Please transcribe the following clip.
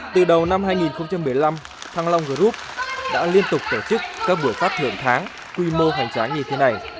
từ đầu năm hai nghìn một mươi năm thăng long group đã liên tục tổ chức các buổi phát thưởng tháng quy mô hoành trá như thế này